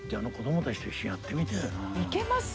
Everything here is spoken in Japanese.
いけます？